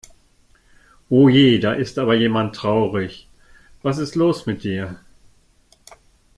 Oje, da ist aber jemand traurig. Was ist los mit dir?